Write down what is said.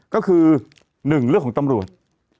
ก็คือ๑เรื่องของตำรวจ